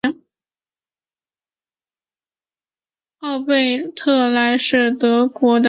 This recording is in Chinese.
奥贝赖森是德国图林根州的一个市镇。